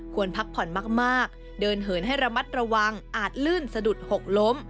พักผ่อนมากเดินเหินให้ระมัดระวังอาจลื่นสะดุดหกล้ม